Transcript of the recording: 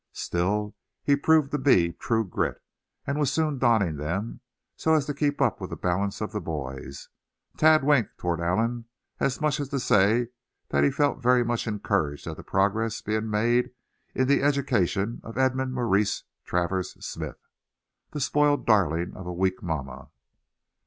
Still, he proved to be true grit, and was soon donning them, so as to keep up with the balance of the boys. Thad winked toward Allan, as much as to say that he felt very much encouraged at the progress being made in the education of Edmund Maurice Travers Smith, the spoiled darling of a weak mamma.